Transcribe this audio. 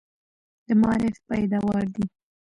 د معارف پیداوار دي.